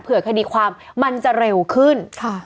คดีความมันจะเร็วขึ้น